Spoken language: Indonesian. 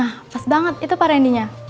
nah pas banget itu pak randy nya